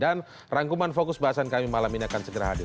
dan rangkuman fokus bahasan kami malam ini akan segera hadir